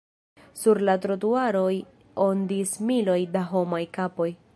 Sur la trotuaroj ondis miloj da homaj kapoj.